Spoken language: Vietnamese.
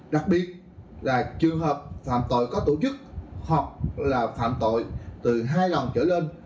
đặc biệt là trường hợp phạm tội có tổ chức hoặc là phạm tội từ hai lần trở lên